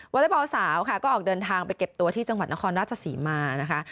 อเล็กบอลสาวค่ะก็ออกเดินทางไปเก็บตัวที่จังหวัดนครราชศรีมานะคะ